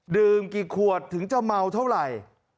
กี่ขวดถึงจะเมาเท่าไหร่